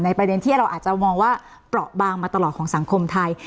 ประเด็นที่เราอาจจะมองว่าเปราะบางมาตลอดของสังคมไทย